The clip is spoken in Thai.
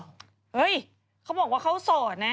เฮ้ยเขาบอกว่าเขาโสดนะ